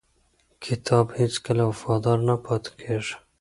کتاب هیڅکله وفادار نه پاتې کېږي.